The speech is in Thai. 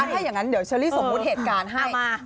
ถ้าอย่างนั้นเดี๋ยวเชอรี่สมมุติเหตุการณ์ให้